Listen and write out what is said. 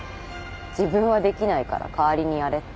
自分はできないから代わりにやれって。